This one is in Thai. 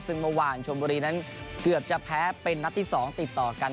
ซึ่งเมื่อวานชมบุรีนั้นเกือบจะแพ้เป็นนัดที่๒ติดต่อกัน